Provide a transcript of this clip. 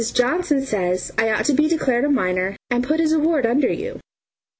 Johnson says I ought to be declared a minor and put as a ward under you.